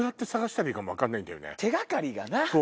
手掛かりがな！